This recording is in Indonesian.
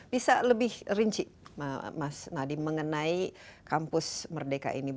bisa lebih rinci mas nadiem mengenai kampus merdeka ini